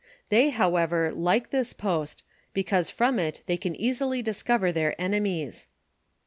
They, however, like this post, because from it they can easily discover their enemies.